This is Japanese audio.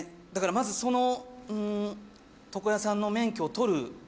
だからまずその床屋さんの免許を取る。